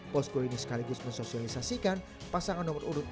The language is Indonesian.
posko ini sekaligus mensosialisasikan pasangan nomor urut empat ini